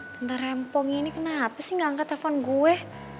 tentara empong ini kenapa sih gak angkat telepon gue